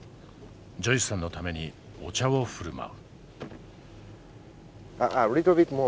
ジョイスさんのためにお茶を振る舞う。